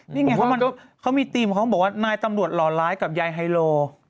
นี่ไงเขามีทีมของเขาบอกว่านายตำรวจหล่อร้ายกับยายฮ้ยโล